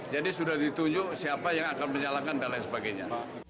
jadi sudah ditunjuk siapa yang akan menyalakan dan lain sebagainya